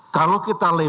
kalau kita lebih